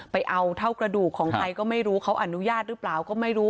ไปเอาเท่ากระดูกของใครก็ไม่รู้เขาอนุญาตหรือเปล่าก็ไม่รู้